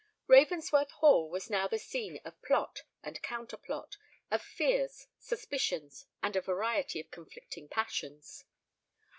Ravensworth Hall was now the scene of plot and counter plot,—of fears, suspicions, and a variety of conflicting passions.